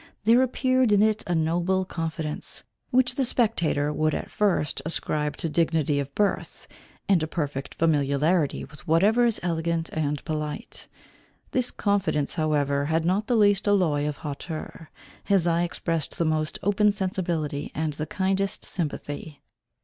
There appeared in it a noble confidence, which the spectator would at first sight ascribe to dignity of birth, and a perfect familiarity with whatever is elegant and polite. This confidence however had not the least alloy of hauteur, his eye expressed the most open sensibility and the kindest sympathy.